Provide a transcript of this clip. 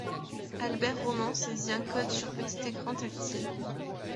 Albert Roman saisit un code sur petit écran tactile